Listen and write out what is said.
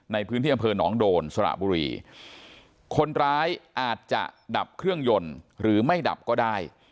ในพื้นที่อำเภอหนองโดนสระบุรีคนร้ายอาจจะดับเครื่องยนต์หรือไม่ดับก็ได้